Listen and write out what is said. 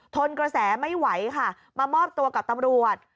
ทนกระแสไม่ไหวค่ะมามอบตัวกับตำรวจ